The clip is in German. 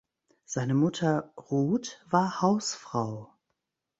Seine Mutter Ruth war Hausfrau.